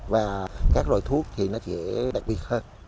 và các loại thuốc thì nó sẽ đặc biệt hơn